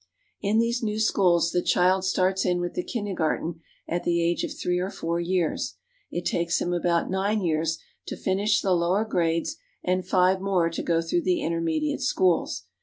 In these new schools the child starts in with the kinder garten at the age of three or four years. It takes him 134 THE GOVERNMENT AND THE SCHOOLS about nine years to finish the lower grades and five more to go through the intermediate schools.